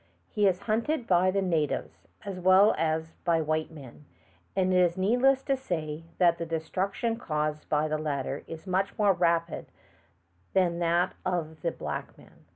He is hunted by the natives, as well as by white men, and it is needless to say that the destruction caused by the latter is much more rapid than that of the black man.